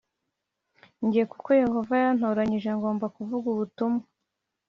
Jye kuko Yehova yantoranyije ngomba kuvuga ubutumwa